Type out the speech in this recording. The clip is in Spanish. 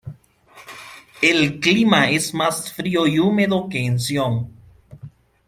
El clima es más frío y húmedo que en Zion.